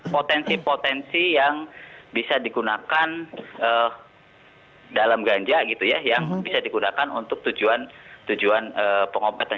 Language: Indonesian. potensi potensi yang bisa digunakan dalam ganja gitu ya yang bisa digunakan untuk tujuan pengobatan